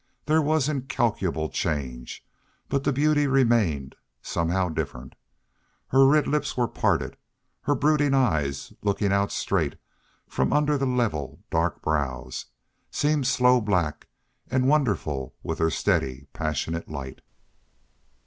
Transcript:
There was incalculable change, but the beauty remained, somehow different. Her red lips were parted. Her brooding eyes, looking out straight from under the level, dark brows, seemed sloe black and wonderful with their steady, passionate light.